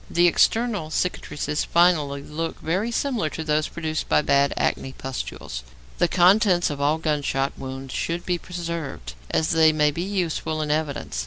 The external cicatrices finally look very similar to those produced by bad acne pustules. The contents of all gunshot wounds should be preserved, as they may be useful in evidence.